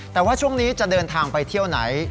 แต่ว่าช่วงนี้จะเดินทางไปเที่ยวไหน